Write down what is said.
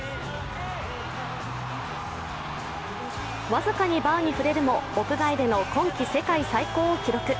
僅かにバーに触れるも屋外での今季世界最高を記録。